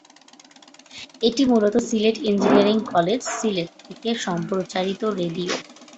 এটি মূলত Sylhet engineering college, Sylhet থেকে সম্প্রচারিত রেডিও।